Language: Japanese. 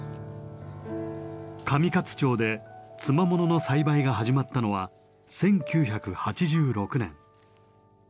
上勝町で「つまもの」の栽培が始まったのは１９８６年。